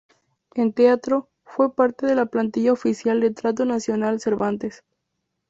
En teatro, fue parte de la plantilla oficial del Teatro Nacional Cervantes.